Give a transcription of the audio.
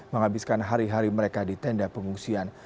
menghabiskan hari hari mereka di tenda pengungsian